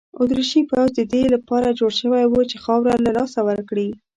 اتریشي پوځ د دې لپاره جوړ شوی وو چې خاوره له لاسه ورکړي.